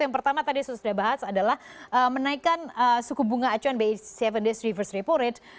yang pertama tadi sudah bahas adalah menaikkan suku bunga acuan bi tujuh days reverse repo rate